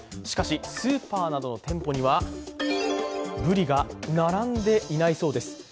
しかし、スーパーなどの店舗にはブリが並んでいないそうです。